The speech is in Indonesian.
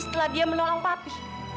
setelah dia menolong papi